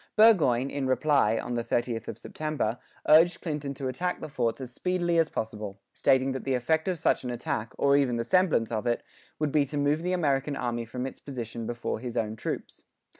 Burgoyne, in reply, on the 30th of September, urged Clinton to attack the forts as speedily as possible, stating that the effect of such an attack, or even the semblance of it, would be to move the American army from its position before his own troops.